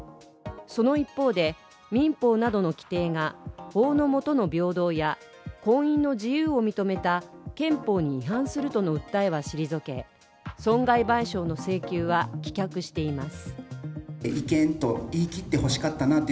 その一方で、民法などの規定が法の下の平等や婚姻の自由を認めた憲法に違反するとの訴えは退け損害賠償の請求は棄却しています。